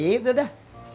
tapi itu dah